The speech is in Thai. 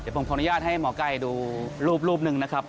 ผมขออนุญาตให้หมอไก่ดูรูปหนึ่งนะครับ